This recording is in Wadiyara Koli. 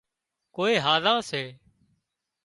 ڪوئي هاۯا سي